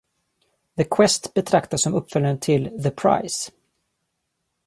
"The Quest" betraktas som uppföljaren till "The Prize".